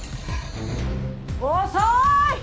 遅い！